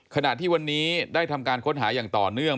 ขณะที่วันนี้ได้ทำการค้นหาอย่างต่อเนื่อง